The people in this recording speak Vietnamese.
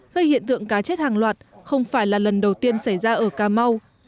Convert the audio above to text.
gây hiện tượng cá chết hàng loạt không phải là lần đầu tiên xảy ra ở cà mau